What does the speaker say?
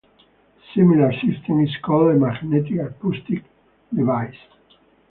A similar system is called a magnetic acoustic device.